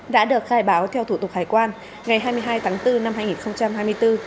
đã được khai báo theo thủ tục hải quan ngày hai mươi hai tháng bốn năm hai nghìn hai mươi bốn